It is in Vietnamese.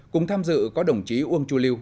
cùng tham dự có đồng chí uông chu liêu